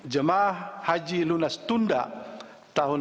jemaah haji lunas tunda tahun seribu empat ratus empat puluh satu